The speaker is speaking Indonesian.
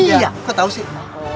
iya kau tau sih